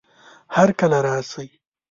هرکله راشئ!